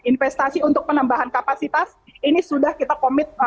investasi untuk penambahan kapasitas ini sudah kita komit